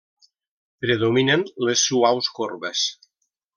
Predominen les suaus corbes.